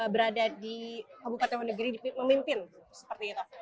berada di kabupaten wonogiri memimpin seperti itu